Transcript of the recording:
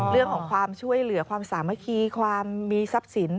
เรื่องของความช่วยเหลือความสามัคคีความมีทรัพย์สิน